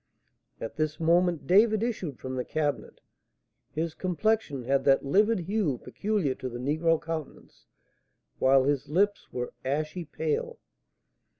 At this moment David issued from the cabinet; his complexion had that livid hue peculiar to the negro countenance, while his lips were ashy pale.